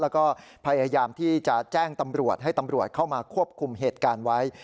แล้วก็พยายามที่จะแจ้งตำรวจให้ตำรวจเข้ามาควบคุมเหตุการณ์ไว้